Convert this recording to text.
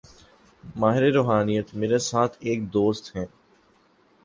ماہر روحانیات: میرے ساتھ ایک دوست ہیں۔